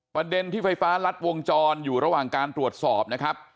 ประเด็นที่ไฟฟ้ารัดวงจรอยู่ระหว่างการตรวจสอบนะครับ